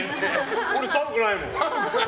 俺、寒くないもん！